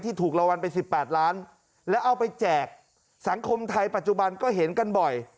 ที่ถูกระวันไปสิบแปดล้านและเอาไปแจกสังคมไทยปัจจุบันก็เห็นกันบ่อย